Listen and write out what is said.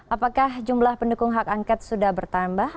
apakah jumlah pendukung hak angket sudah bertambah